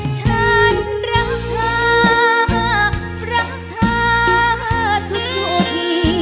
ฉันรักเธอรักเธอสุดสุด